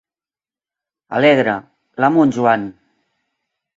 Alegre, l'amo en Joan!